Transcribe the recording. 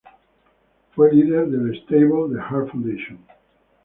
Fue líder del Stable The Hart Foundation.